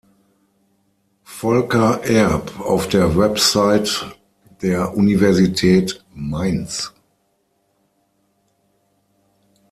Volker Erb auf der Website der Universität Mainz